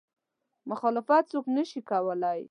مخالفت څوک نه شي کولی.